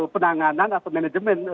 penanganan atau manajemen